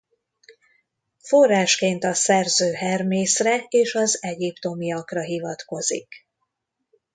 Forrásként a szerző Hermészre és az egyiptomiakra hivatkozik.